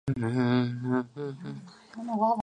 五华县被改名名为五华县。